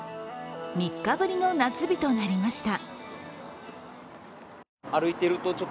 ３日ぶりの夏日となりました。